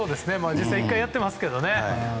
実際１回やってますけどね。